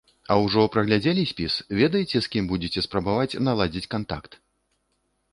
А ўжо праглядзелі спіс, ведаеце, з кім будзеце спрабаваць наладзіць кантакт?